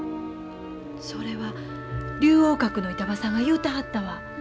それは竜王閣の板場さんが言うてはったわ。